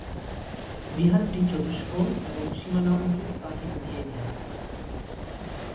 বিহারটি চতুষ্কোণ এবং সীমানা উঁচু প্রাচীর দিয়ে ঘেরা।